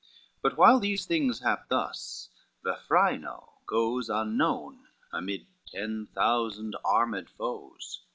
But while the things hapt thus, Vafrino goes Unknown, amid ten thousand armed foes.